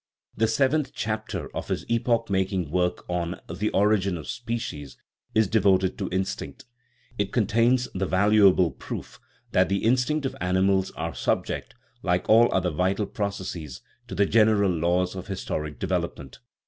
The seventh chapter of his epoch making work on The Origin of Species is devoted to instinct. It contains the valuable proof that the instincts of animals are subject, like all other vital processes, to the general laws of historic development.